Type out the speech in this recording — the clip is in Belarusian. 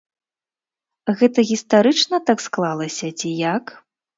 Гэта гістарычна так склалася, ці як?